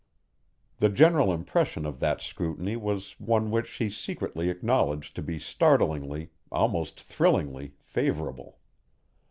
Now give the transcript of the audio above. The general impression of that scrutiny was one which she secretly acknowledged to be startlingly, almost thrillingly, favorable.